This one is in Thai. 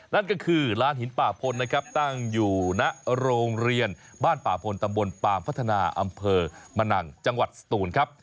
นั่นก็คือร้านหินป่าพลนะครับตั้งอยู่ณโรงเรียนบ้านป่าพลตำบลปางพัฒนาอำเภอมะนังจังหวัดสตูนครับ